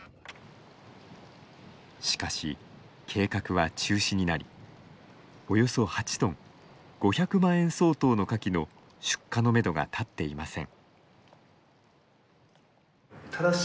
しかし、計画は中止になりおよそ８トン５００万円相当のかきの出荷のめどがたっていません。